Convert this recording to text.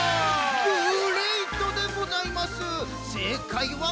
グレイトでございます！